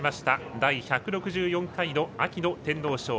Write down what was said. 第１６４回の秋の天皇賞。